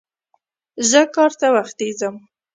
زه کار ته وختي ځم.